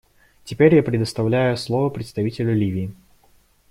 Теперь я предоставляю слово представителю Ливии.